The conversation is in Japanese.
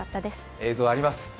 映像あります。